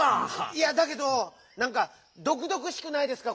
いやだけどなんかどくどくしくないですか？